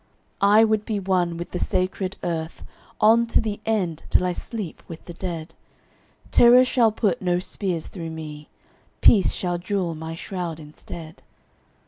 I would be one with the sacred earth On to the end, till I sleep with the dead. Terror shall put no spears through me. Peace shall jewel my shroud instead.